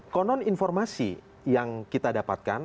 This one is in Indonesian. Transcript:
konon informasi yang kita dapatkan